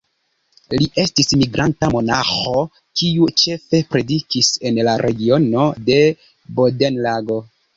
Li estis migranta monaĥo, kiu ĉefe predikis en la regiono de Bodenlago.